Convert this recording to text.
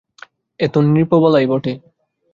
এ তো নৃপবালাই বটে!